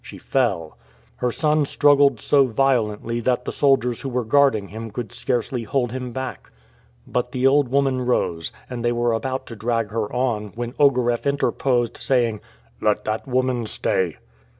She fell. Her son struggled so violently that the soldiers who were guarding him could scarcely hold him back. But the old woman rose, and they were about to drag her on, when Ogareff interposed, saying, "Let that woman stay!"